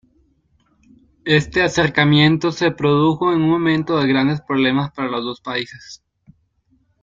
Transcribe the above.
Este acercamiento se produjo en un momento de grandes problemas para los dos países.